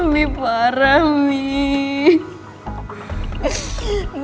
mie parah mie